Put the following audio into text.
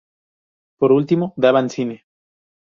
Por último, daban cine.